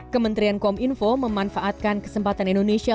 kementerian kominfo memanfaatkan kesempatan indonesia